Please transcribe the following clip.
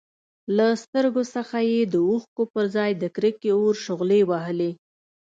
له سترګو څخه يې د اوښکو پرځای د کرکې اور شغلې وهلې.